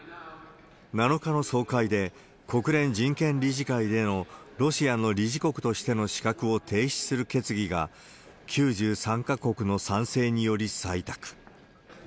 ７日の総会で、国連人権理事会でのロシアの理事国としての資格を停止する決議が、９３か国の賛成により採択。